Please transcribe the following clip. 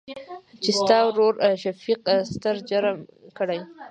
چې ستا ورورشفيق ستر جرم کړى.